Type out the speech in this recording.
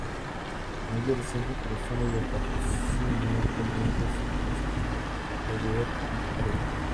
En años recientes, por razones de patrocinio actualmente se le conoce como Geberit-Arena.